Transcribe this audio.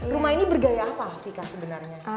rumah ini bergaya apa vika sebenarnya